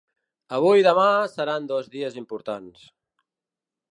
Avui i demà seran dos dies importants.